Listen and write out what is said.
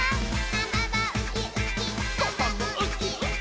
「ママはウキウキ」「パパもウキウキ」